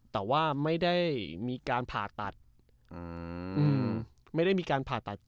แต่ว่าไม่ได้มีการผ่าตัด